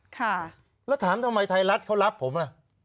ค่ะแล้วถามทำไมไทยรัฐเขารับผมอ่ะ